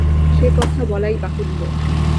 সে কথা বলাই বাহুল্য।